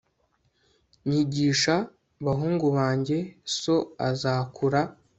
nyigisha, bahungu banjye, so azakura